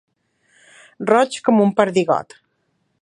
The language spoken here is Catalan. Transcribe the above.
Roig com un perdigot.